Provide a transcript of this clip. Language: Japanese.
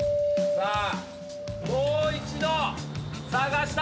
さあ。